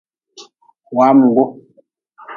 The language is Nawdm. Wamgu.